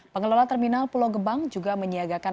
pengelola terminal pulau gebang juga menyiagakan